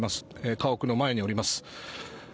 家屋の前におります。